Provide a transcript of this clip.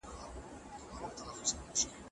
که ماشوم تبه ولري سړه ټوټه پرې کېږدئ.